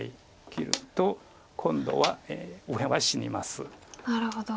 切ると今度は右辺は死にます。